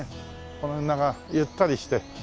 この辺なんかゆったりして。